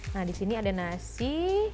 nah di sini ada nasi